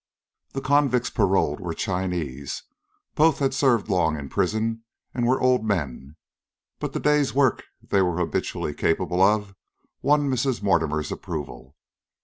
The convicts paroled were Chinese. Both had served long in prison, and were old men; but the day's work they were habitually capable of won Mrs. Mortimer's approval.